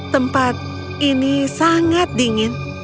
tempat ini sangat dingin